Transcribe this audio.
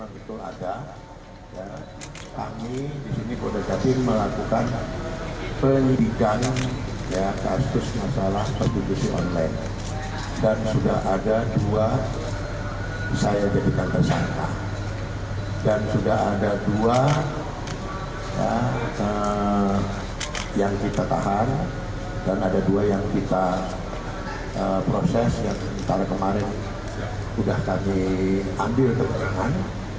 saya jadikan tersangka dan sudah ada dua yang kita tahan dan ada dua yang kita proses yang kemarin sudah kami ambil keperluan